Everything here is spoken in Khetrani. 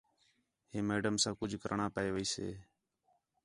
ہے میڈم ساں کُج کرݨاں پئے ویسئے